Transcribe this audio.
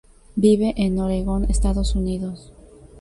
Vive en Oregón, Estados Unidos.